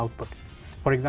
output yang terdapat